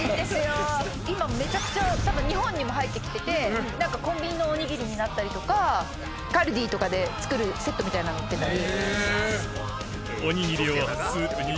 今めちゃくちゃ多分日本にも入ってきてて何かコンビニのおにぎりになったりとかカルディとかで作るセットみたいなの売ってたり。